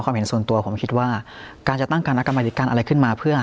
เห็นส่วนตัวผมคิดว่าการจะตั้งคณะกรรมธิการอะไรขึ้นมาเพื่อ